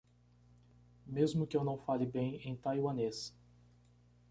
Mesmo que eu não fale bem em taiwanês